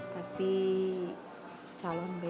tapi calon besan